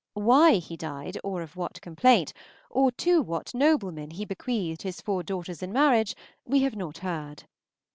Why he died, or of what complaint, or to what noblemen he bequeathed his four daughters in marriage, we have not heard.